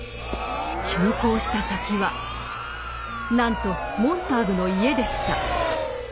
急行した先はなんとモンターグの家でした。